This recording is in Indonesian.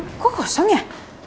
bu kok kosong ya